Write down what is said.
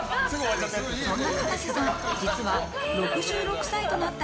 そんなかたせさん、実は６６歳となった